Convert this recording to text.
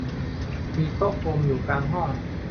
มีโต๊ะกลมอยู่กลางห้อง